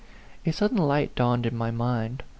A sudden light dawned in my mind.